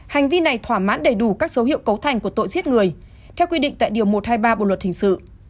hành vi này thỏa mãn đầy đủ các dấu hiệu cấu thành của tội giết người theo quy định tại điều một trăm hai mươi ba bộ luật hình sự